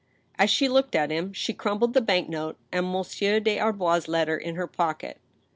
As she looked at him, she crumpled the bank note and Monsieur des Arbois's letter in her pocket.